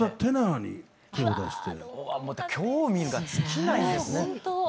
うわまた興味が尽きないですね。